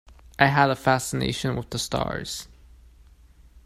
I had a fascination with the stars.